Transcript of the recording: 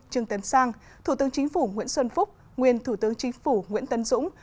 trương tấn sang thủ tướng chính phủ nguyễn xuân phúc nguyên thủ tướng chính phủ nguyễn tân dũng